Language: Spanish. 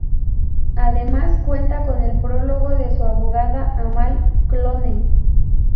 Además cuenta con el prólogo de su abogada, Amal Clooney.